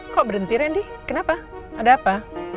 kok berhenti randy kenapa ada apa